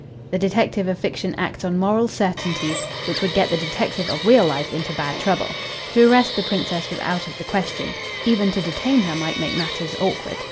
The detective of fiction acts on moral certainties which would get the detective of real life into bad trouble. To arrest the Princess was out of the question; even to detain her might make matters awkward.